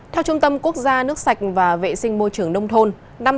theo trung tâm quốc gia nước sạch và vệ sinh môi trường nông thôn